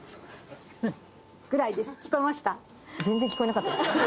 ぐらいです。